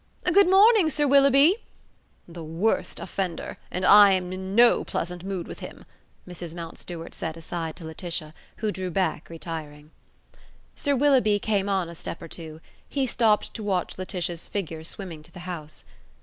Good morning, Sir Willoughby. The worst offender! and I am in no pleasant mood with him," Mrs. Mountstuart said aside to Laetitia, who drew back, retiring. Sir Willoughby came on a step or two. He stopped to watch Laetitia's figure swimming to the house.